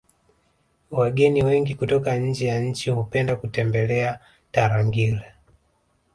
wageni wengi kutoka nje ya nchi hupenda kutembelea tarangire